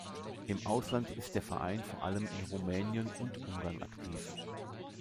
Im Ausland ist der Verein vor allem in Rumänien und Ungarn aktiv.